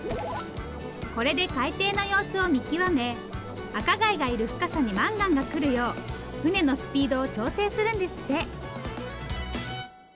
これで海底の様子を見極め赤貝がいる深さにマンガンがくるよう船のスピードを調整するんですって。